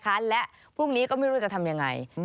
ออกทางแล้วพรุ่งนี้ก็ไม่รู้จะทำยังไง